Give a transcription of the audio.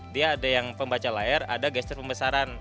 dia ada yang pembaca layar ada gesture pembesaran